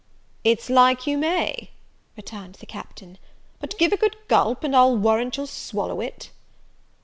"It's like you may," returned the Captain: "but give a good gulp, and I'll warrant you'll swallow it."